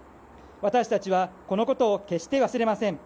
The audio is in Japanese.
私たちはこのことを決して忘れません。